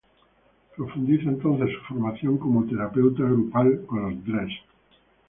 Profundiza, entonces, su formación como terapeuta grupal con los Dres.